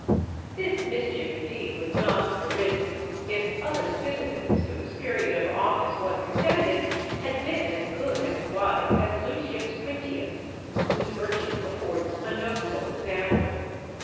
This mischief indeed would not have arisen, if other citizens whose period of office was extended had been as good and wise as Lucius Quintius, whose virtue affords a notable example.